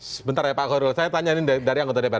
sebentar ya pak korul saya tanya ini dari anggota dpr